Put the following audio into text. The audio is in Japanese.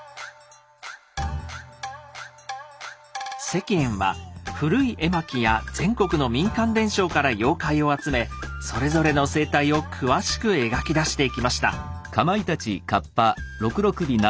石燕は古い絵巻や全国の民間伝承から妖怪を集めそれぞれの生態を詳しく描き出していきました。